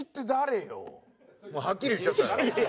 はっきり言っちゃったよ。